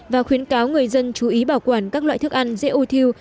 và khuyến cáo người dân chú ý bảo quản các loại thức ăn dễ ôi thiêu